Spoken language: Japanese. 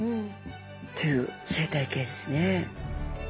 という生態系ですね。